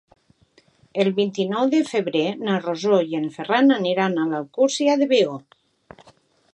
El vint-i-nou de febrer na Rosó i en Ferran aniran a l'Alcúdia de Veo.